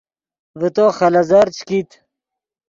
ڤے تو خلیزر چے کیت